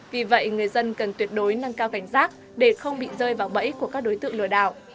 vì vậy người dân cần tuyệt đối nâng cao cảnh giác để không bị rơi vào bẫy của các đối tượng lừa đảo